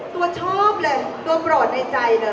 ตัวชอบเลยตัวปรอดในใจนะ